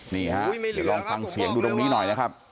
นี่ฮะเดี๋ยวลองฟังเสียงดูตรงนี้หน่อยนะครับ